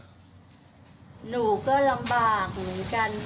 หนูก็ลำบากเหมือนกัน